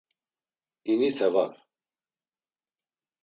İnite var…